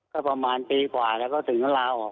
ก็ประมาณปีกว่าแล้วก็ถึงลาออก